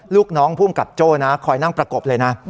ลูกน้องภูมิกับโจ้นะคอยนั่งประกบเลยนะ